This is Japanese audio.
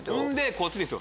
こっちですよ